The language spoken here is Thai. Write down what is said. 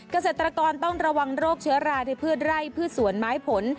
เกษตรกรต้องระวังโรคเชื้อราในพืชไร่พืชสวนไม้ผล